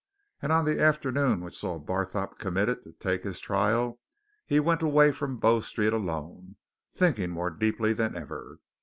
And on the afternoon which saw Barthorpe committed to take his trial, he went away from Bow Street, alone, thinking more deeply than ever.